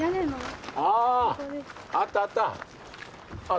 あったあった。